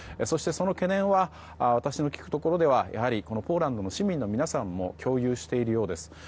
そして、その懸念は私の聞くところでは、やはりポーランドの市民の皆さんも共有しているようです。